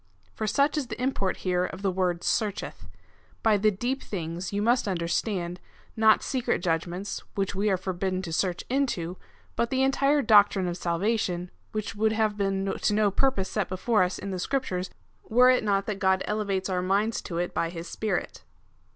For such is the import here of the word searcheth. By the deep things jon must understand — not secret judgments, which we are forbidden to search into, CHAP. II. 11. FIRST EPISTLE TO THE CORINTHIANS, 111 but the entire doctrine of salvation, which would have been to no purpose set before us in the Scriptures, were it not that God elevates our minds to it by his Spirit.